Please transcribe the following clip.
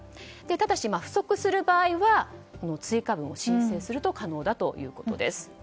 ただ、不足する場合は追加の申請をすると可能だということです。